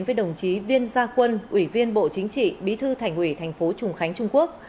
với đồng chí viên gia quân ủy viên bộ chính trị bí thư thành ủy thành phố trùng khánh trung quốc